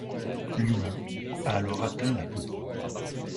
L'humain a alors atteint la bodhi.